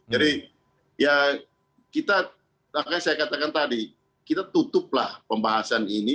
jadi ya kita saya katakan tadi kita tutuplah pembahasan ini